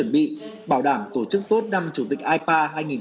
bảo đảm tổ chức tốt năm chủ tịch ipa hai nghìn hai mươi